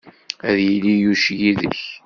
Ad yili Yuc yid-k!